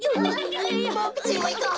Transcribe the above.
ぼくちんもいこう。